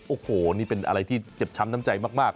โอ้โหนี่เป็นอะไรที่เจ็บช้ำน้ำใจมาก